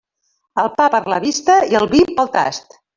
El pa per la vista i el vi pel tast.